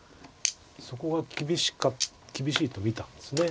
そこが厳しいと見たんですね。